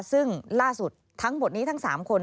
ซึ่งล่าสุดทั้งหมดนี้ทั้ง๓คน